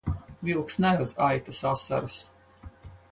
Vilks neredz aitas asaras.